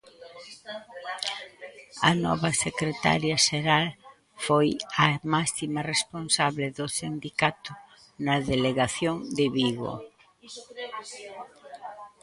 A nova secretaria xeral foi a máxima responsable do sindicato na delegación de Vigo.